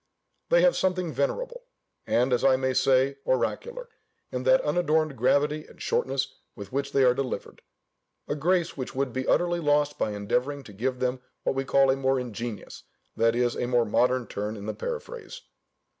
They have something venerable, and as I may say, oracular, in that unadorned gravity and shortness with which they are delivered: a grace which would be utterly lost by endeavouring to give them what we call a more ingenious (that is, a more modern) turn in the paraphrase.